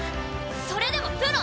それでもプロ？